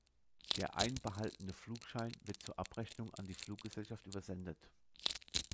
Der einbehaltene Flugschein wird zur Abrechnung an die Fluggesellschaft übersendet.